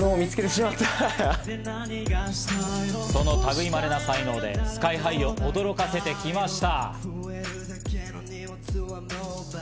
その類稀な才能でＳＫＹ−ＨＩを驚かせてきました。